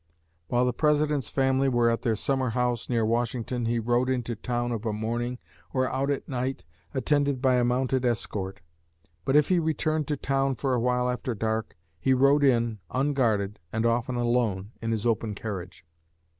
While the President's family were at their summer house, near Washington, he rode into town of a morning, or out at night, attended by a mounted escort; but if he returned to town for a while after dark, he rode in unguarded, and often alone, in his open carriage.